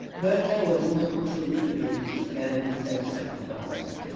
Bertha was not proof against this gallant self sacrifice.